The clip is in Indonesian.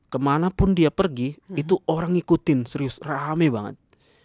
kemanapun dia pergi itu orang ngikutin serius rame banget